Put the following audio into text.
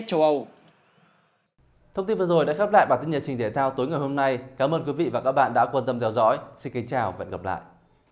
chào và hẹn gặp lại